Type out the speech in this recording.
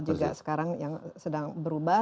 juga sekarang yang sedang berubah